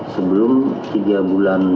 sebelum tiga bulan